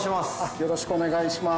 よろしくお願いします。